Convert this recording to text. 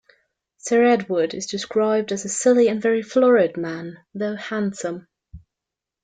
Sir Edward is described as a silly and very florid man, though handsome.